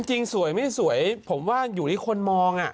จริงสวยไม่สวยผมว่าอยู่ที่คนมอง